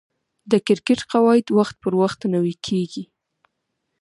د کرکټ قواعد وخت پر وخت نوي کیږي.